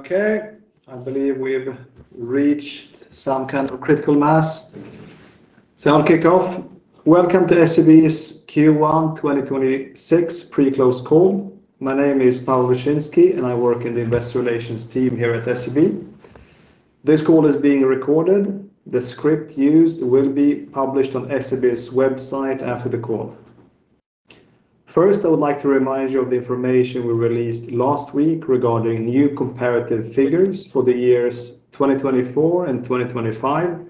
Okay, I believe we've reached some kind of critical mass, so I'll kick off. Welcome to SEB's Q1 2026 pre-close call. My name is Pawel Wyszynski, and I work in the Investor Relations team here at SEB. This call is being recorded. The script used will be published on SEB's website after the call. First, I would like to remind you of the information we released last week regarding new comparative figures for the years 2024 and 2025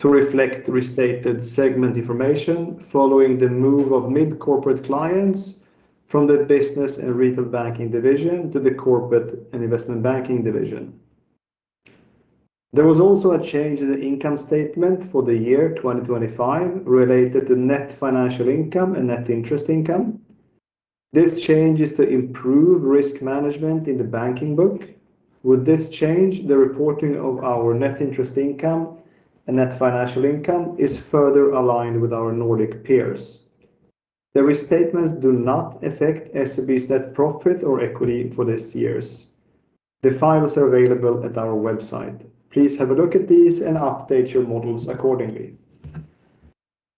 to reflect restated segment information following the move of Mid Corporate clients from the Business & Retail Banking division to the Corporate & Investment Banking division. There was also a change in the income statement for the year 2025 related to net financial income and net interest income. This change is to improve risk management in the banking book. With this change, the reporting of our net interest income and net financial income is further aligned with our Nordic peers. The restatements do not affect SEB's net profit or equity for these years. The files are available at our website. Please have a look at these and update your models accordingly.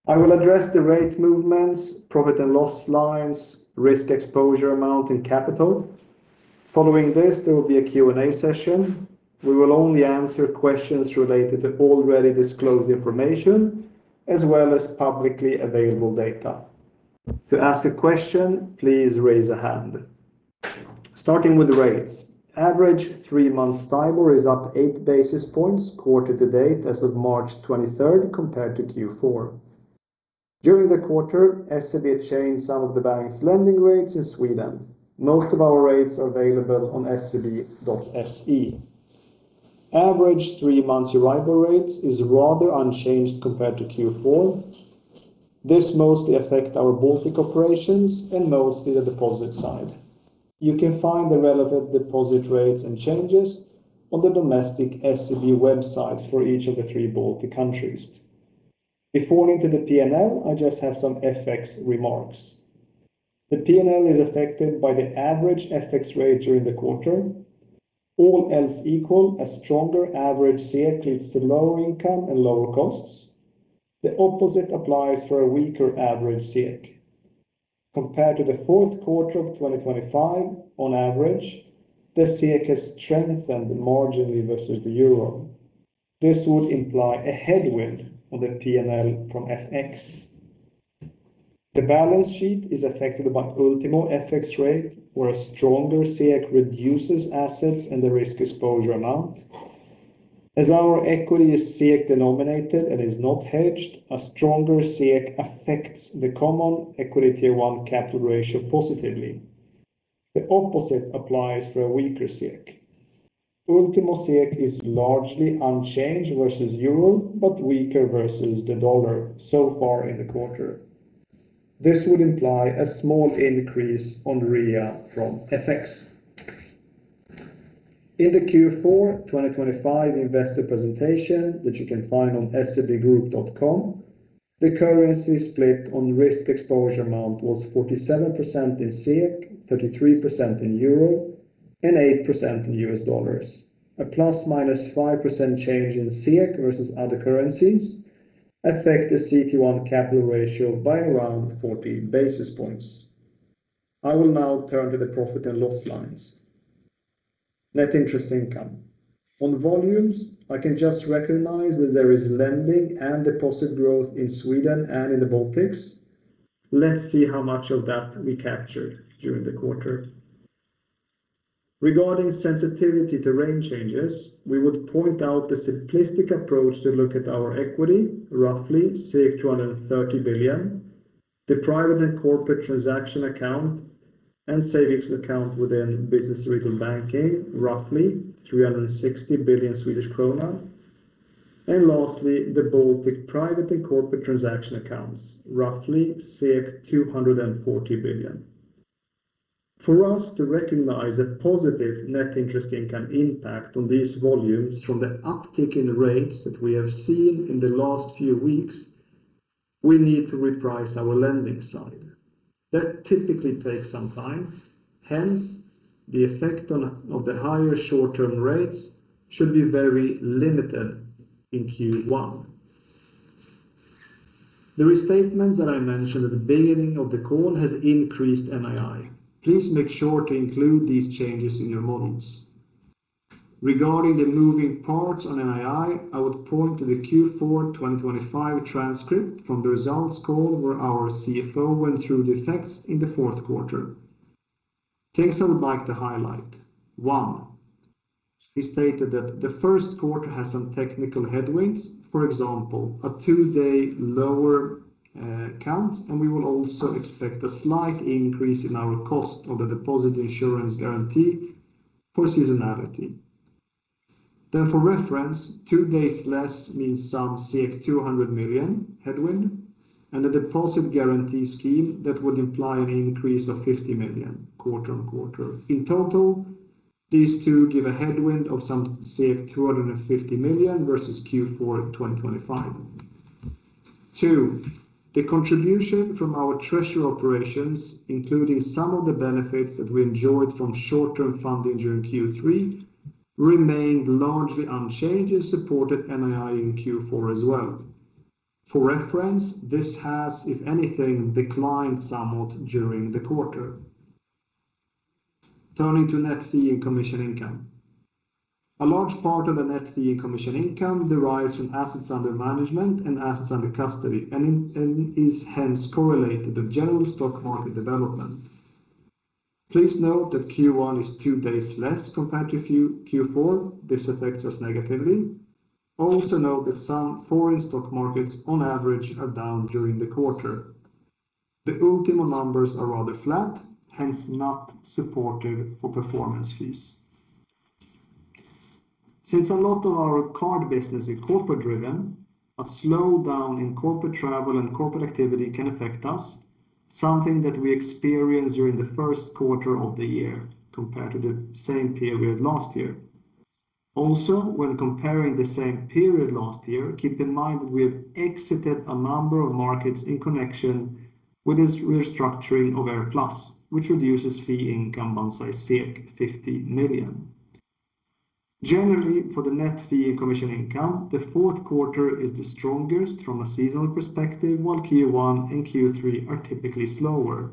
I will address the rate movements, profit and loss lines, Risk Exposure Amount, and capital. Following this, there will be a Q&A session. We will only answer questions related to already disclosed information as well as publicly available data. To ask a question, please raise a hand. Starting with rates. Average three-month STIBOR is up 8 basis points quarter to date as of March 23rd compared to Q4. During the quarter, SEB changed some of the bank's lending rates in Sweden. Most of our rates are available on seb.se. Average three-month Euribor rates is rather unchanged compared to Q4. This mostly affect our Baltic operations and mostly the deposit side. You can find the relevant deposit rates and changes on the domestic SEB websites for each of the three Baltic countries. Before into the P&L, I just have some FX remarks. The P&L is affected by the average FX rate during the quarter. All else equal, a stronger average SEK leads to lower income and lower costs. The opposite applies for a weaker average SEK. Compared to the fourth quarter of 2025, on average, the SEK has strengthened marginally versus the euro. This would imply a headwind on the P&L from FX. The balance sheet is affected by ultimo FX rate, where a stronger SEK reduces assets and the Risk Exposure Amount. As our equity is SEK denominated and is not hedged, a stronger SEK affects the Common Equity Tier 1 capital ratio positively. The opposite applies for a weaker SEK. Ultimo SEK is largely unchanged versus euro, but weaker versus the dollar so far in the quarter. This would imply a small increase on REA from FX. In the Q4 2025 investor presentation, which you can find on sebgroup.com, the currency split on Risk Exposure Amount was 47% in SEK, 33% in euro, and 8% in U.S. dollars. A ±5% change in SEK versus other currencies affect the CET1 capital ratio by around 14 basis points. I will now turn to the profit and loss lines. Net interest income. On volumes, I can just recognize that there is lending and deposit growth in Sweden and in the Baltics. Let's see how much of that we captured during the quarter. Regarding sensitivity to rate changes, we would point out the simplistic approach to look at our equity, roughly 230 billion. The private and corporate transaction account and savings account within Business & Retail Banking, roughly 360 billion Swedish krona. Lastly, the Baltic private and corporate transaction accounts, roughly 240 billion. For us to recognize a positive net interest income impact on these volumes from the uptick in rates that we have seen in the last few weeks, we need to reprice our lending side. That typically takes some time. Hence, the effect of the higher short-term rates should be very limited in Q1. The restatements that I mentioned at the beginning of the call has increased NII. Please make sure to include these changes in your models. Regarding the moving parts on NII, I would point to the Q4 2025 transcript from the results call where our CFO went through the effects in the fourth quarter. Things I would like to highlight. One, he stated that the first quarter has some technical headwinds. For example, a two-day lower count, and we will also expect a slight increase in our cost of the deposit insurance guarantee for seasonality. For reference, two days less means some 200 million headwind and the deposit guarantee scheme that would imply an increase of 50 million quarter-on-quarter. In total, these two give a headwind of some 250 million versus Q4 2025. Two, the contribution from our Treasury operations, including some of the benefits that we enjoyed from short-term funding during Q3, remained largely unchanged and supported NII in Q4 as well. For reference, this has, if anything, declined somewhat during the quarter. Turning to net fee and commission income. A large part of the net fee and commission income derives from assets under management and assets under custody and is hence correlated to general stock market development. Please note that Q1 is two days less compared to Q4. This affects us negatively. Also note that some foreign stock markets on average are down during the quarter. The Ultimo numbers are rather flat, hence not supportive for performance fees. Since a lot of our card business is corporate-driven, a slowdown in corporate travel and corporate activity can affect us. Something that we experience during the first quarter of the year compared to the same period last year. Also, when comparing the same period last year, keep in mind we have exited a number of markets in connection with this restructuring of AirPlus, which reduces fee income by 50 million. Generally, for the net fee and commission income, the fourth quarter is the strongest from a seasonal perspective, while Q1 and Q3 are typically slower.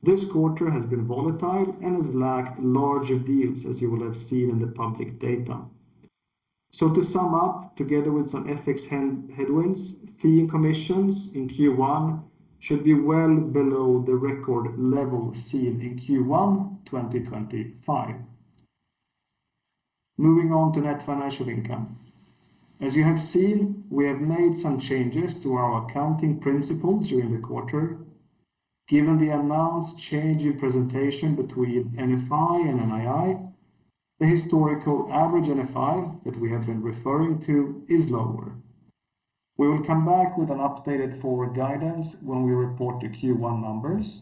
This quarter has been volatile and has lacked larger deals, as you will have seen in the public data. To sum up, together with some FX headwinds, fee and commissions in Q1 should be well below the record level seen in Q1 2025. Moving on to net financial income. As you have seen, we have made some changes to our accounting principles during the quarter. Given the announced change in presentation between NFI and NII, the historical average NFI that we have been referring to is lower. We will come back with an updated forward guidance when we report the Q1 numbers.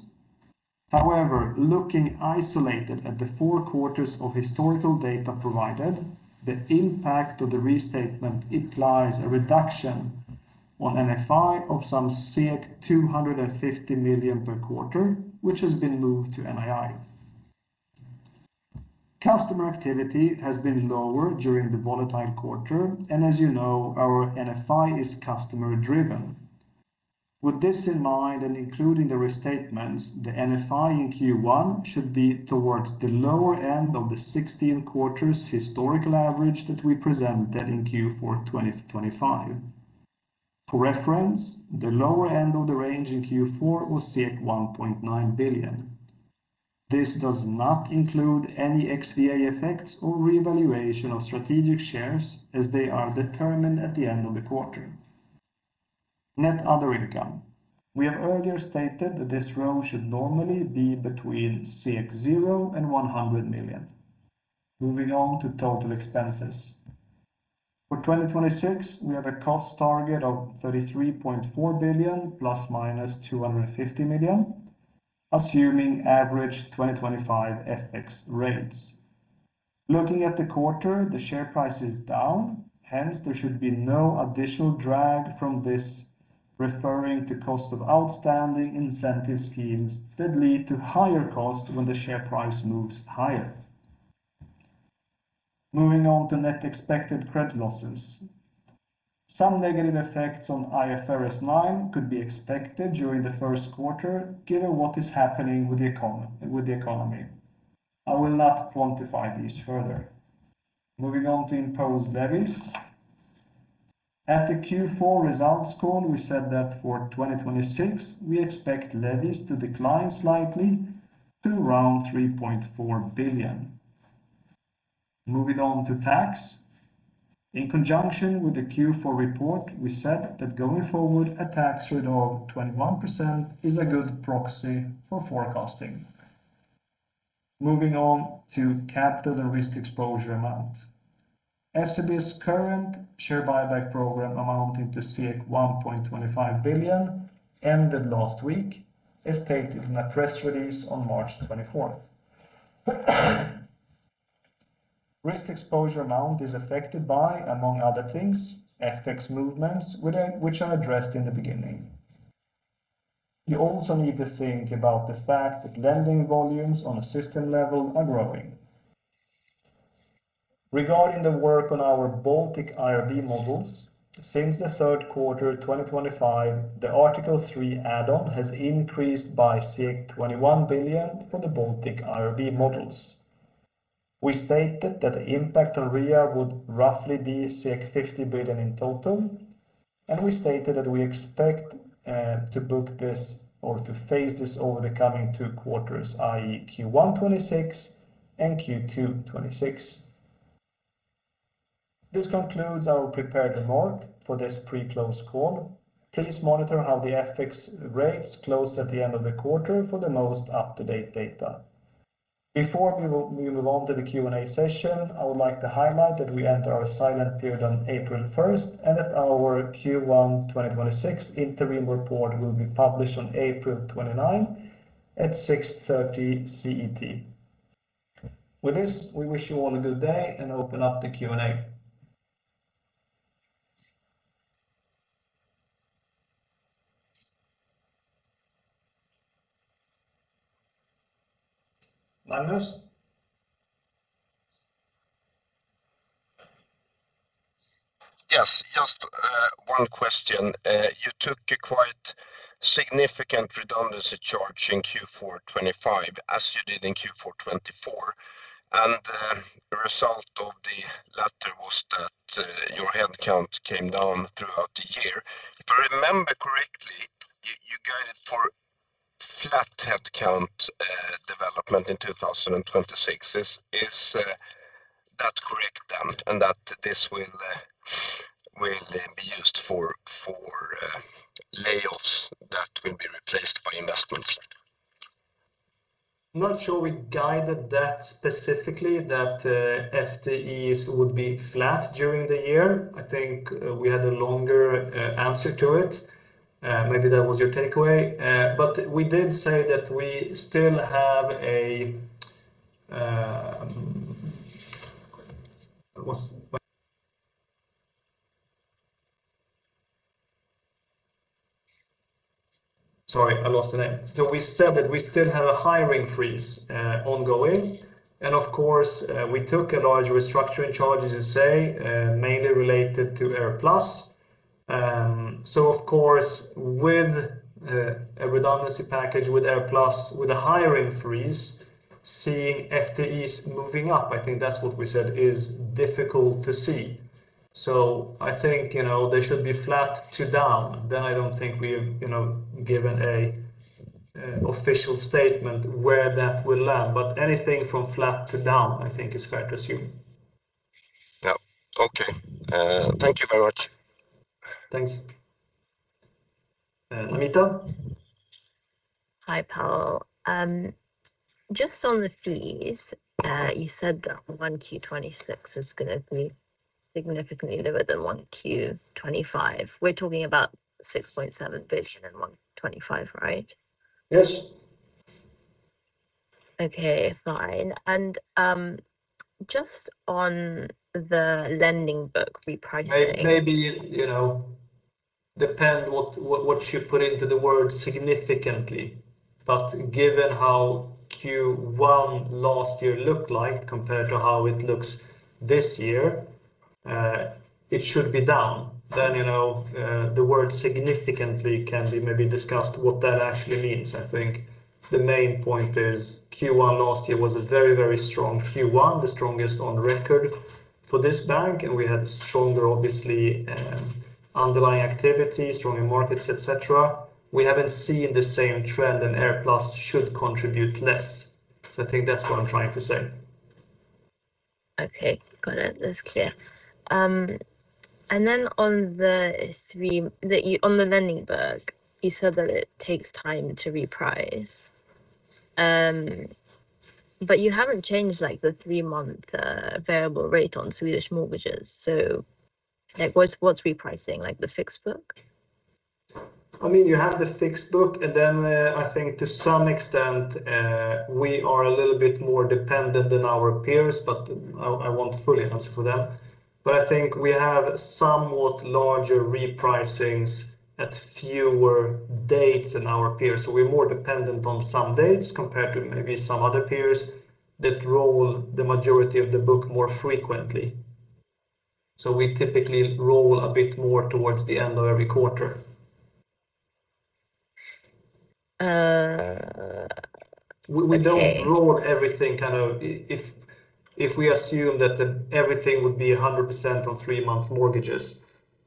However, looking isolated at the four quarters of historical data provided, the impact of the restatement implies a reduction on NFI of some 250 million per quarter, which has been moved to NII. Customer activity has been lower during the volatile quarter, and as you know, our NFI is customer-driven. With this in mind and including the restatements, the NFI in Q1 should be towards the lower end of the 16 quarters historical average that we presented in Q4 2025. For reference, the lower end of the range in Q4 was 1.9 billion. This does not include any XVA effects or revaluation of strategic shares as they are determined at the end of the quarter. Net other income. We have earlier stated that this row should normally be between 0 and 100 million. Moving on to total expenses. For 2026, we have a cost target of 33.4 billion, ±250 million, assuming average 2025 FX rates. Looking at the quarter, the share price is down. Hence, there should be no additional drag from this referring to cost of outstanding incentive schemes that lead to higher cost when the share price moves higher. Moving on to net expected credit losses. Some negative effects on IFRS 9 could be expected during the first quarter, given what is happening with the economy. I will not quantify these further. Moving on to imposed levies. At the Q4 results call, we said that for 2026, we expect levies to decline slightly to around 3.4 billion. Moving on to tax. In conjunction with the Q4 report, we said that going forward, a tax rate of 21% is a good proxy for forecasting. Moving on to capital and risk exposure amount. SEB's current share buyback program amounting to 1.25 billion ended last week, as stated in a press release on March 24. Risk exposure amount is affected by, among other things, FX movements, which I addressed in the beginning. You also need to think about the fact that lending volumes on a system level are growing. Regarding the work on our Baltic IRB models, since the third quarter 2025, the Article 3 add-on has increased by 21 billion from the Baltic IRB models. We stated that the impact on REA would roughly be 50 billion in total, and we stated that we expect to book this or to phase this over the coming two quarters, i.e. Q1 2026 and Q2 2026. This concludes our prepared remark for this pre-close call. Please monitor how the FX rates close at the end of the quarter for the most up-to-date data. Before we move on to the Q&A session, I would like to highlight that we enter our silent period on April 1 and that our Q1 2026 interim report will be published on April 29 at 6:30 CET. With this, we wish you all a good day and open up the Q&A. Magnus? Yes. Just one question. You took a quite significant redundancy charge in Q4 2025, as you did in Q4 2024, and the result of the latter was that your headcount came down throughout the year. If I remember correctly, you guided for flat headcount development in 2026. Is that correct then, and that this will be used for layoffs that will be replaced by investments? Not sure we guided that specifically, that FTEs would be flat during the year. I think we had a longer answer to it. Maybe that was your takeaway. But we did say that we still have a hiring-freeze ongoing. Of course, we took a large restructuring charge, as you say, mainly related to AirPlus International. Of course, with a redundancy package with AirPlus International, with a hiring freeze, seeing FTEs moving up, I think that's what we said, is difficult to see. I think, you know, they should be flat to down. I don't think we've, you know, given an official statement where that will land. Anything from flat to down, I think is fair to assume. Yeah. Okay. Thank you very much. Thanks. Namita? Hi, Pawel. Just on the fees, you said that 1Q 2026 is gonna be significantly lower than 1Q 2025. We're talking about 6.7 versus 125, right? Yes. Okay, fine. Just on the lending book repricing? Maybe, you know, depends what you put into the word significantly, but given how Q1 last year looked like compared to how it looks this year, it should be down. You know, the word significantly can be maybe discussed what that actually means. I think the main point is Q1 last year was a very, very strong Q1, the strongest on record for this bank, and we had stronger, obviously, underlying activity, stronger markets, et cetera. We haven't seen the same trend, and AirPlus International should contribute less. I think that's what I'm trying to say. Okay. Got it. That's clear. On the lending book, you said that it takes time to reprice. You haven't changed, like, the three-month variable rate on Swedish mortgages, so, like, what's repricing? Like, the fixed book? I mean, you have the fixed book, and then, I think to some extent, we are a little bit more dependent than our peers, but I won't fully answer for them. I think we have somewhat larger repricings at fewer dates than our peers. We're more dependent on some dates compared to maybe some other peers that roll the majority of the book more frequently. We typically roll a bit more towards the end of every quarter. Okay. We don't roll everything kind of. If we assume that everything would be 100% on three-month mortgages,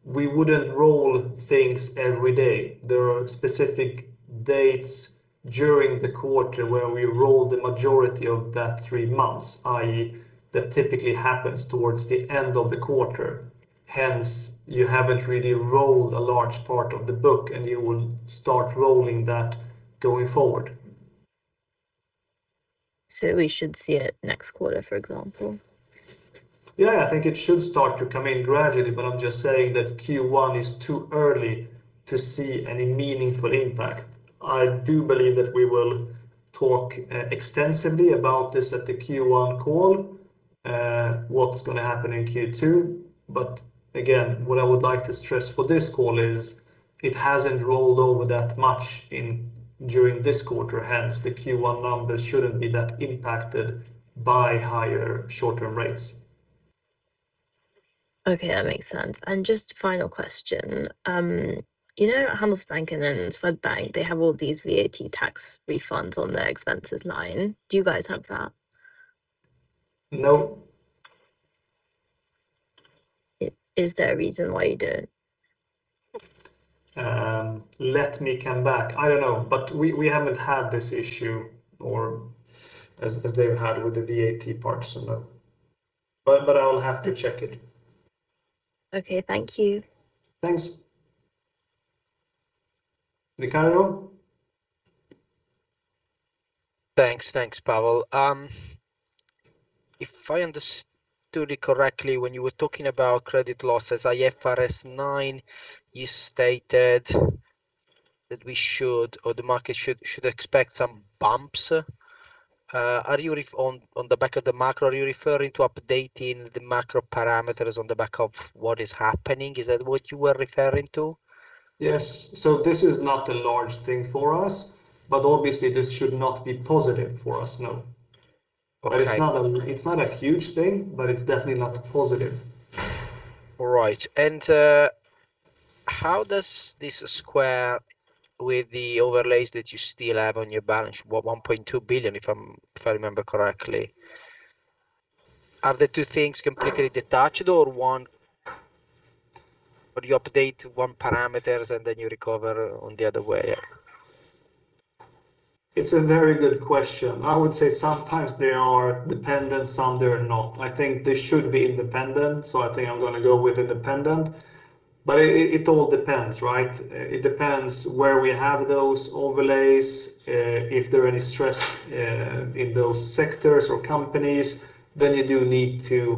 we wouldn't roll things every day. There are specific dates during the quarter where we roll the majority of that three months, i.e., that typically happens towards the end of the quarter. Hence, you haven't really rolled a large part of the book, and you will start rolling that going forward. We should see it next quarter, for example? Yeah. I think it should start to come in gradually, but I'm just saying that Q1 is too early to see any meaningful impact. I do believe that we will talk extensively about this at the Q1 call, what's gonna happen in Q2. Again, what I would like to stress for this call is it hasn't rolled over that much during this quarter, hence the Q1 numbers shouldn't be that impacted by higher short-term rates. Okay, that makes sense. Just final question. You know how Handelsbanken and Swedbank, they have all these VAT tax refunds on their expenses line? Do you guys have that? No. Is there a reason why you don't? Let me come back. I don't know. We haven't had this issue or as they've had with the VAT parts of that. I'll have to check it. Okay. Thank you. Thanks. Riccardo? Thanks. Thanks, Pawel. If I understood it correctly, when you were talking about credit losses, IFRS 9, you stated That we should or the market should expect some bumps. On the back of the macro, are you referring to updating the macro parameters on the back of what is happening? Is that what you were referring to? Yes. This is not a large thing for us, but obviously this should not be positive for us, no. Okay. It's not a huge thing, but it's definitely not positive. All right. How does this square with the overlays that you still have on your balance? 1.2 billion, if I remember correctly. Are the two things completely detached or you update one parameters and then you recover on the other way? It's a very good question. I would say sometimes they are dependent, some they're not. I think they should be independent, so I think I'm gonna go with independent. But it all depends, right? It depends where we have those overlays, if there are any stress in those sectors or companies, then you do need to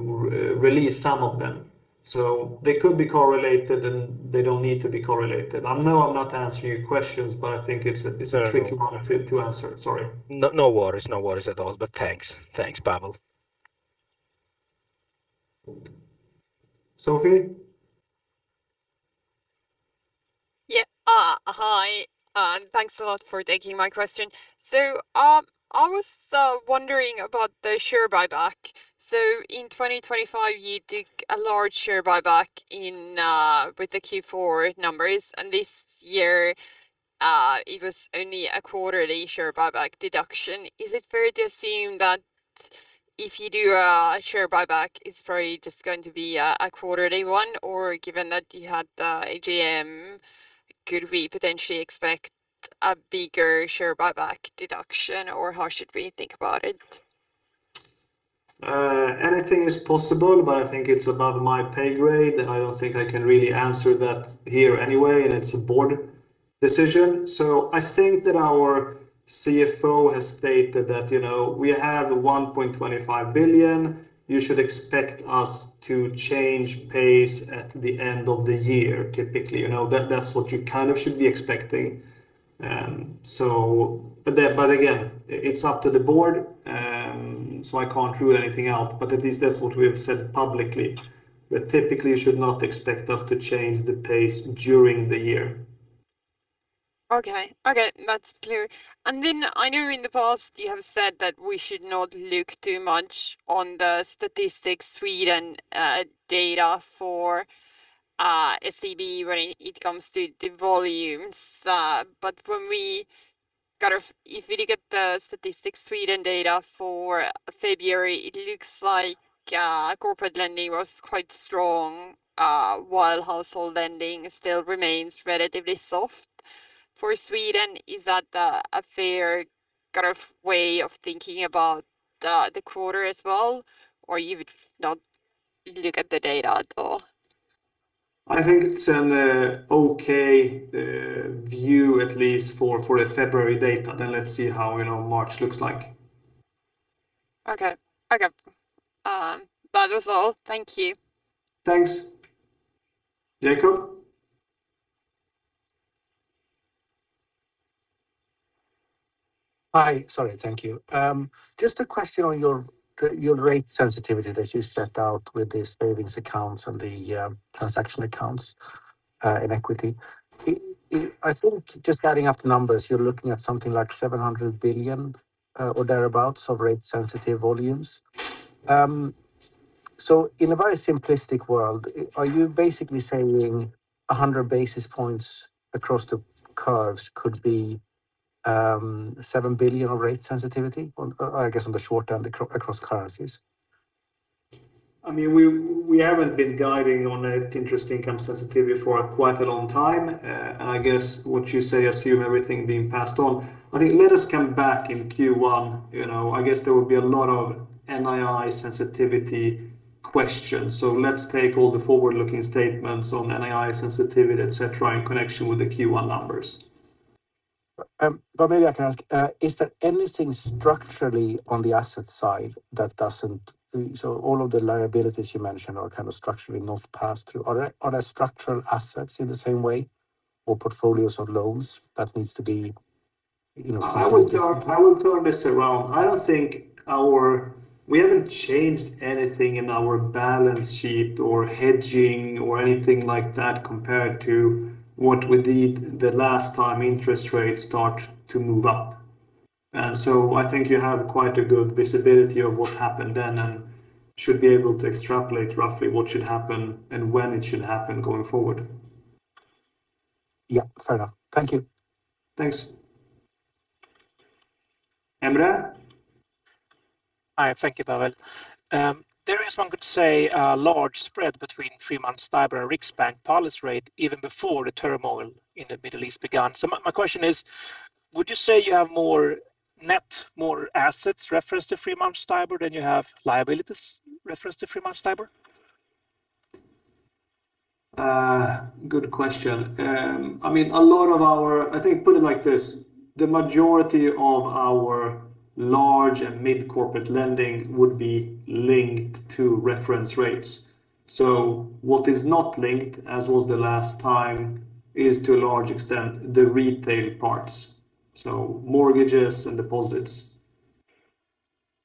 re-release some of them. So they could be correlated and they don't need to be correlated. I know I'm not answering your questions, but I think it's a It's all right. It's a tricky one to answer. Sorry. No, no worries. No worries at all. Thanks, thanks, Pawel. Sophie? Yeah. Hi, thanks a lot for taking my question. I was wondering about the share buyback. In 2024, you did a large share buyback with the Q4 numbers, and this year, it was only a quarterly share buyback deduction. Is it fair to assume that if you do a share buyback, it's probably just going to be a quarterly one? Given that you had the AGM, could we potentially expect a bigger share buyback deduction? How should we think about it? Anything is possible, but I think it's above my pay grade, and I don't think I can really answer that here anyway, and it's a Board decision. I think that our CFO has stated that, you know, we have 1.25 billion. You should expect us to change pace at the end of the year, typically. You know, that's what you kind of should be expecting. But again, it's up to the Board, so I can't rule anything out. But at least that's what we have said publicly, that typically you should not expect us to change the pace during the year. Okay. Okay, that's clear. Then I know in the past you have said that we should not look too much on the Statistics Sweden data for SEB when it comes to the volumes. But if we look at the Statistics Sweden data for February, it looks like corporate lending was quite strong, while household lending still remains relatively soft for Sweden. Is that a fair kind of way of thinking about the quarter as well, or you would not look at the data at all? I think it's an okay view at least for the February data. Let's see how, you know, March looks like. Okay. That was all. Thank you. Thanks. Jacob? Hi. Sorry. Thank you. Just a question on your rate sensitivity that you set out with the savings accounts and the transaction accounts in equity. I think just adding up the numbers, you're looking at something like 700 billion or thereabout of rate sensitive volumes. In a very simplistic world, are you basically saying 100 basis points across the curves could be 7 billion of rate sensitivity on, I guess, the short term across currencies? I mean, we haven't been guiding on interest income sensitivity for quite a long time. I guess what you say assume everything being passed on. I think let us come back in Q1. You know, I guess there will be a lot of NII sensitivity questions. Let's take all the forward-looking statements on NII sensitivity, et cetera, in connection with the Q1 numbers. Maybe I can ask, is there anything structurally on the asset side that doesn't. All of the liabilities you mentioned are kind of structurally not passed through. Are there structural assets in the same way or portfolios or loans that needs to be, you know, considered? I will turn this around. I don't think we haven't changed anything in our balance sheet or hedging or anything like that compared to what we did the last time interest rates start to move up. I think you have quite a good visibility of what happened then and should be able to extrapolate roughly what should happen and when it should happen going forward. Yeah, fair enough. Thank you. Thanks. Emre? Hi. Thank you, Pawel. There is, one could say, a large spread between three-month STIBOR and Sveriges Riksbank policy rate even before the turmoil in the Middle East began. My question is, would you say you have more net, more assets referenced to three-month STIBOR than you have liabilities referenced to three-month STIBOR? Good question. I mean, a lot of our I think put it like this, the majority of our large and Mid Corporate lending would be linked to reference rates. What is not linked, as was the last time, is to a large extent the retail parts, so mortgages and deposits.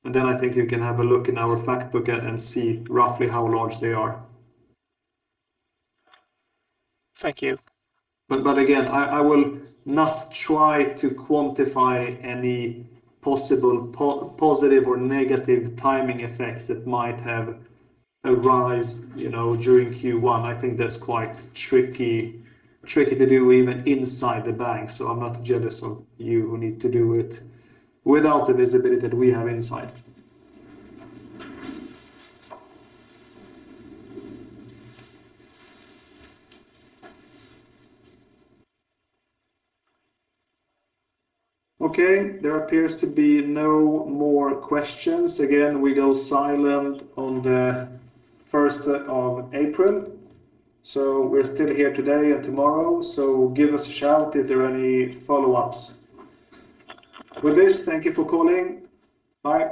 Then I think you can have a look in our fact book and see roughly how large they are. Thank you. Again, I will not try to quantify any possible positive or negative timing effects that might have arisen, you know, during Q1. I think that's quite tricky to do even inside the bank. I'm not jealous of you who need to do it without the visibility that we have inside. Okay, there appears to be no more questions. Again, we go silent on the first of April. We're still here today and tomorrow, so give us a shout if there are any follow-ups. With this, thank you for calling. Bye.